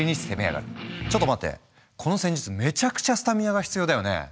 ちょっと待ってこの戦術めちゃくちゃスタミナが必要だよね。